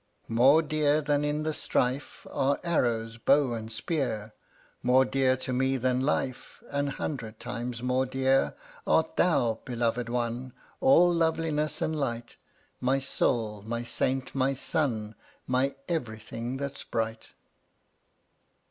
122 More dear than in the strife Are arrows, bow and spear — More dear to me than life, An hundred times more dear, Art thou, Beloved One, All loveliness and light — My soul, my saint, my sun, My everything that's bright!